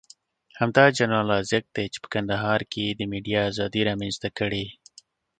همدا جنرال رازق دی چې په کندهار کې یې د ميډيا ازادي رامنځته کړې.